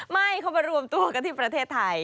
ไม่เขามารวมตัวกันที่ประเทศไทย